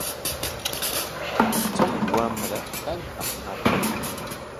Chay wamra kallpaanaqmi.